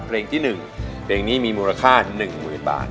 เพลงที่๑เพลงนี้มีมูลค่า๑๐๐๐บาท